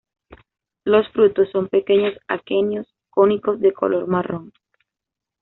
Los frutos son pequeños aquenios cónicos de color marrón.